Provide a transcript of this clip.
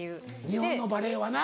日本のバレーはな